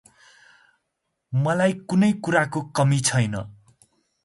मलाई कुनै कुराको कमी छैन।